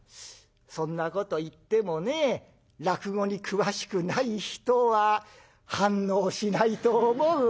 そんなこと言ってもね落語に詳しくない人は反応しないと思うよ」。